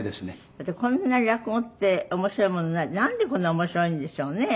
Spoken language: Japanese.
「だってこんなに落語って面白いものないなんでこんな面白いんでしょうね」